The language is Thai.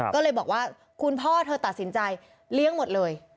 ก็เลยบอกว่าคุณพ่อเธอตัดสินใจเลี้ยงหมดเลย